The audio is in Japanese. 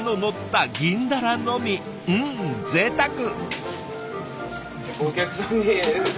うんぜいたく。